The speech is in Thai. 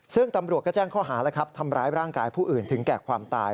ซึ่งตำรวจก็แจ้งข้อหาแล้วครับทำร้ายร่างกายผู้อื่นถึงแก่ความตาย